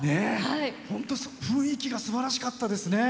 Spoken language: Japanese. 本当に雰囲気がすばらしかったですね。